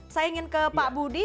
saya ingin ke pak budi